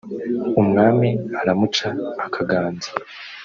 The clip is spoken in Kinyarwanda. umwami aramuca akaganza